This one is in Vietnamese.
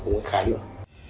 ông ấy khai luôn